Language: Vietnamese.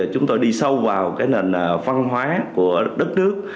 chúng tôi đi sâu vào cái nền văn hóa của đất nước